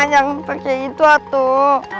jangan pake itu atuh